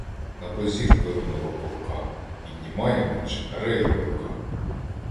На позір Перунова Полка Піднімає меч Ареєва рука